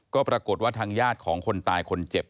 ก็ปรากฏว่าทางญาติของคนตายคนเจ็บ